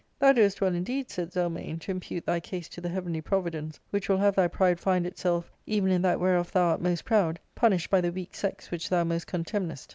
" Thou doest well indeed," said Zelmane, ;* to impute thy case to the heavenly providence which will haye thy pride find itself, even in that whereof thou art most proud, punished by the weak sex which thou most contemnest."